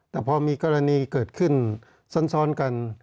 แต่พอมีกรณีเกิดขึ้นซ้อนกัน